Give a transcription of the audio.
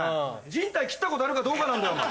靭帯切ったことあるかどうかなんだよお前。